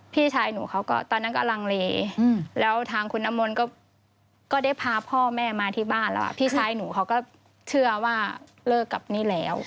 พี่ชายหนูเขาก็ตอนนั้นก็ลังเลแล้วทางคุณน้ำมนต์ก็ได้พาพ่อแม่มาที่บ้านแล้วพี่ชายหนูเขาก็เชื่อว่าเลิกกับนี่แล้ว